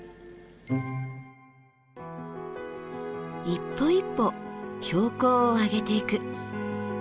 一歩一歩標高を上げていく。